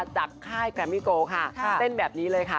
จากค่ายไปนี้แบบนี้เลยค่ะ